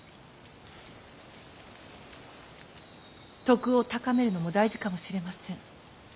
徳を高めるのも大事かもしれません。